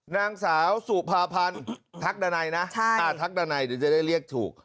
นางสาวสุภาพันธุ์ทักดาไนนะใช่อ่าทักดาไนเดี๋ยวจะได้เรียกถูก